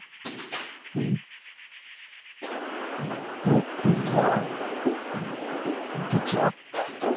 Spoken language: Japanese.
「ぼくは、」どっちだ？